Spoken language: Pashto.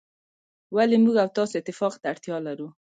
ولي موږ او تاسو اتفاق ته اړتیا لرو.